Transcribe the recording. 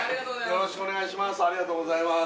よろしくお願いします